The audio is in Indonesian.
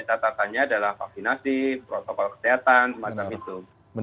catatannya adalah vaksinasi protokol kesehatan